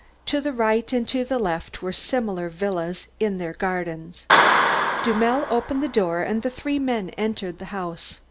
To the right and to the left were similar villas in their gardens. Dummel opened the door and the three men entered the house.